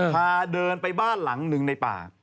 พาเดินไปบ้านหลังหนึ่งในป่า